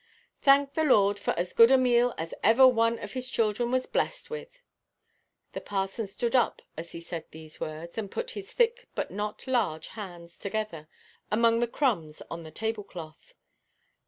"Thank the Lord for as good a meal as ever one of His children was blessed with." The parson stood up as he said these words, and put his thick but not large hands together, among the crumbs on the tablecloth.